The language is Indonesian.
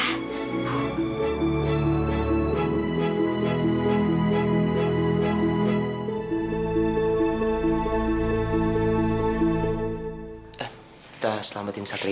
kita selamatin satria